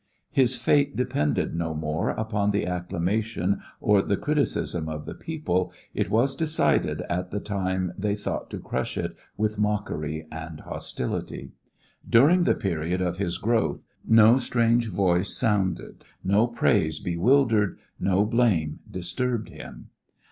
His fate depended no more upon the acclamation or the criticism of the people; it was decided at the time they thought to crush it with mockery and hostility. During the period of his growth no strange voice sounded, no praise bewildered, no blame disturbed him.